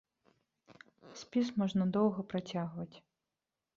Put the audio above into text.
Спіс можна доўга працягваць.